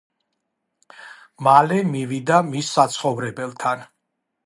მალე მივიდა მის საცხოვრებელთან